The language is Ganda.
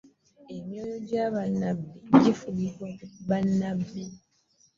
Emyoyo gya bannabbi gifugibwa bannabbi.